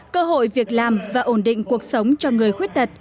cơ hội việc làm và ổn định cuộc sống cho người khuyết tật